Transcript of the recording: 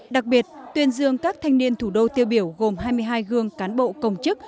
đặc biệt tuyên dương các thanh niên thủ đô tiêu biểu gồm hai mươi hai gương cán bộ công chức